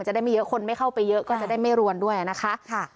ได้ไม่เยอะคนไม่เข้าไปเยอะก็จะได้ไม่รวนด้วยนะคะ